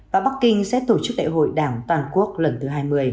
và bắc kinh sẽ tổ chức đại hội đảng toàn quốc lần thứ hai mươi